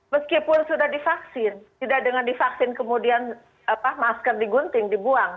meskipun sudah divaksin tidak dengan divaksin kemudian masker digunting dibuang